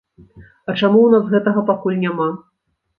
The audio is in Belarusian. А чаму ў нас гэтага пакуль няма?